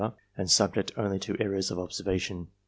and subject only to errors of observation.